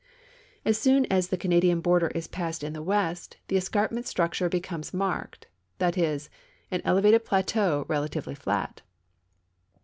As soon as the Canadian border is passed in the west, the escarpment structure becomes marked^that is, an elevated plateau, relatively flat.